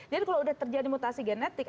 jadi kalau udah terjadi mutasi genetik